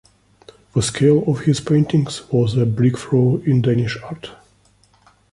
The scale of his paintings was a breakthrough in Danish art.